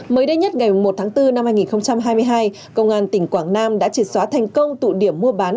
mới đây nhất ngày một tháng bốn năm hai nghìn hai mươi hai công an tỉnh quảng nam đã triệt xóa thành công tụ điểm mua bán